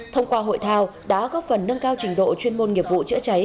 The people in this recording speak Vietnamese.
thông qua hội thao đã góp phần nâng cao trình độ chuyên môn nghiệp vụ chữa cháy